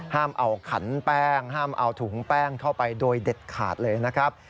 ห้ามเอาขันแป้งห้ามเอาถุงแป้งเข้าไปโดยเด็ดขาดเลยนะครับ